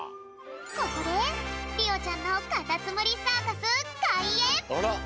ここでりおちゃんのカタツムリサーカスかいえん！